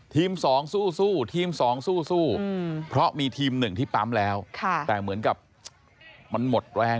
๒สู้ทีม๒สู้เพราะมีทีมหนึ่งที่ปั๊มแล้วแต่เหมือนกับมันหมดแรง